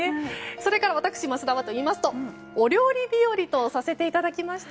それから、私、桝田はお料理日和とさせていただきました。